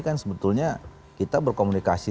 kan sebetulnya kita berkomunikasi